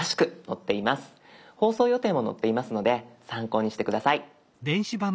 放送予定も載っていますので参考にして下さい。